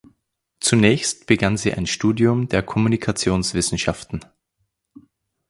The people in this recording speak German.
Zunächst begann sie ein Studium der Kommunikationswissenschaften.